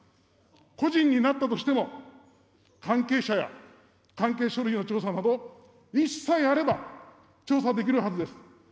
故人になったとしても、関係者や関係書類の調査など、意思さえあれば調査できるはずです。